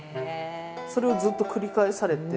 それをずっと繰り返されて。